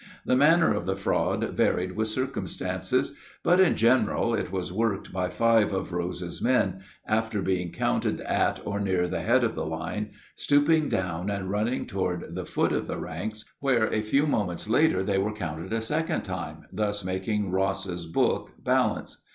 The manner of the fraud varied with circumstances, but in general it was worked by five of Rose's men, after being counted at or near the head of the line, stooping down and running toward the foot of the ranks, where a few moments later they were counted a second time, thus making Ross's book balance.